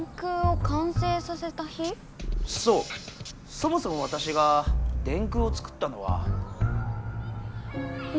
そもそもわたしが電空を作ったのは。